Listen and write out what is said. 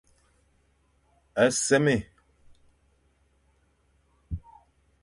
A sémé.